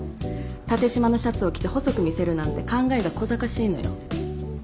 縦しまのシャツを着て細く見せるなんて考えが小ざかしいのよ。